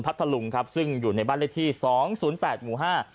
ทะลุงครับซึ่งอยู่ในบ้านเลขที่สองศูนย์แปดหมู่ห้า